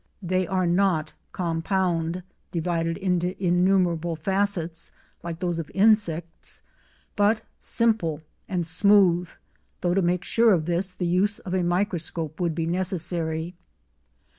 They are not compound—divided into innumerable facets, like those of insects—but simple and smooth, though to make sure of this the use of a microscope would be necessary.